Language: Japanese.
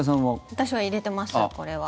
私は入れてます、これは。